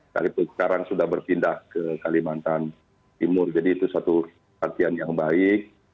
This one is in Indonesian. sekalipun sekarang sudah berpindah ke kalimantan timur jadi itu satu latihan yang baik